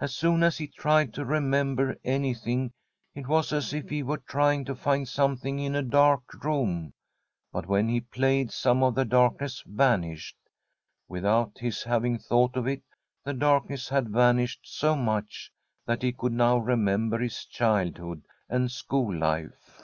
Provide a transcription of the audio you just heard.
As soon as he tried to remember anything, it was as if he were trying to find something in a dark room ; but when he played, some of the darkness vanished. Without his having thought of it, the darkness had van ished so much that he could now remember his childhood and school life.